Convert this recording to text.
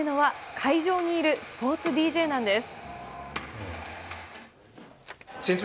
会場にいるスポーツＤＪなんです。